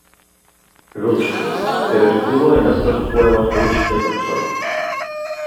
Rush", pero estuvo en los otros juegos "Rush" de consola.